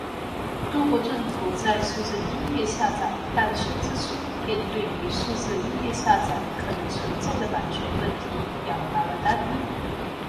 多国政府在数字音乐下载诞生之初便对于数字音乐下载可能存在的版权问题表达了担忧。